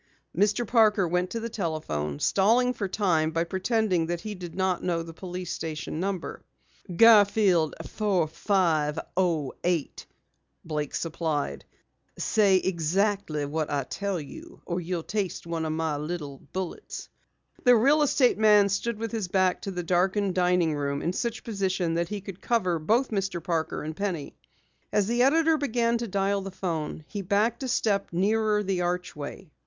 Mr. Parker went to the telephone, stalling for time by pretending that he did not know the police station number. "Garfield 4508," Blake supplied. "Say exactly what I tell you or you'll taste one of my little bullets!" The real estate man stood with his back to the darkened dining room, in such position that he could cover both Mr. Parker and Penny. As the editor began to dial the phone, he backed a step nearer the archway.